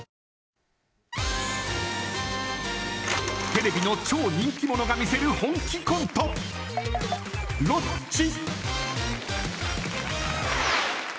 テレビの超人気者が見せる本気コントロッチ。